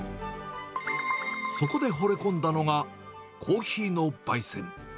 そこでほれ込んだのが、コーヒーのばい煎。